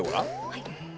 はい。